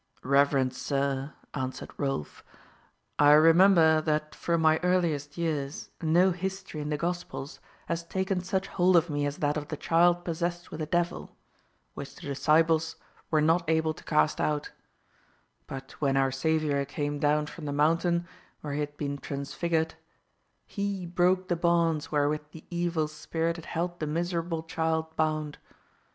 '" "Reverend sir," answered Rolf, "I remember that from my earliest years no history in the Gospels has taken such hold of me as that of the child possessed with a devil, which the disciples were not able to cast out; but when our Saviour came down from the mountain where He had been transfigured, He broke the bonds wherewith the evil spirit had held the miserable child bound.